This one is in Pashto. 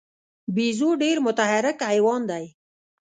بیزو ډېر متحرک حیوان دی.